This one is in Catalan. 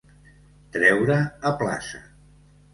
Treure a plaça.